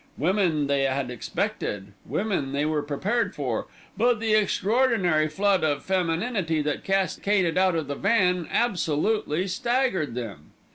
Women they had expected, women they were prepared for; but the extraordinary flood of femininity that cascaded out of the van absolutely staggered them.